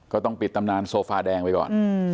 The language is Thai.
ก็ต้องปิดตำนานโซฟาแดงไปก่อน